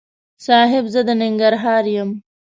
صاحب! زه د ننګرهار یم.